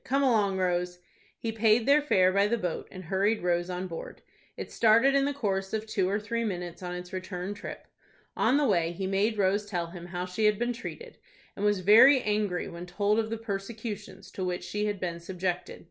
Come along, Rose." He paid their fare by the boat, and hurried Rose on board. It started in the course of two or three minutes on its return trip. On the way he made Rose tell him how she had been treated, and was very angry when told of the persecutions to which she had been subjected.